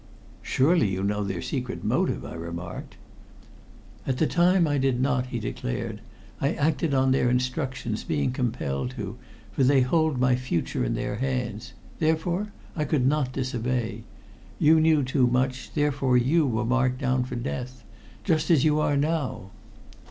"Surely you know their secret motive?" I remarked. "At the time I did not," he declared. "I acted on their instructions, being compelled to, for they hold my future in their hands. Therefore I could not disobey. You knew too much, therefore you were marked down for death just as you are now."